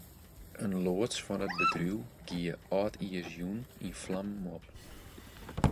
In loads fan it bedriuw gie âldjiersjûn yn flammen op.